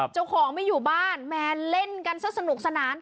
เจ้าของไม่อยู่บ้านแม่เล่นกันซะสนุกสนาน